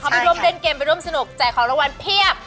ไปร่วมเล่นเกมไปร่วมสนุกแจกของรางวัลเพียบ